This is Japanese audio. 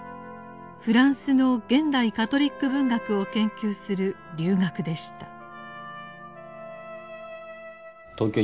フランスの現代カトリック文学を研究する留学でした。